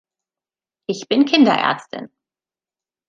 Ich bin Kinderärztin.